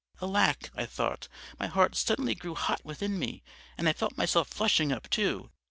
Alack, I thought; my heart suddenly grew hot within me and I felt myself flushing up too.